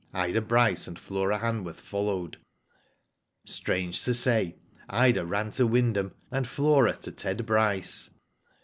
Ida Bryce and Flora Hanworth followed. Strange to say, Ida ran to Wyndham, and Flora to Ted Bryce.